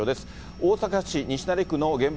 大阪市西成区の現場